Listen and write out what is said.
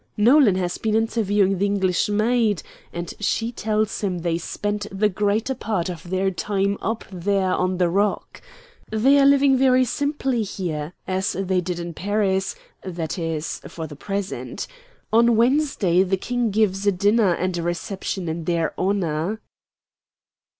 "Nolan has been interviewing the English maid, and she tells him they spend the greater part of their time up there on the rock. They are living very simply here, as they did in Paris; that is, for the present. On Wednesday the King gives a dinner and a reception in their honor."